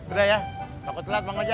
udah ya toko telat pak ngojak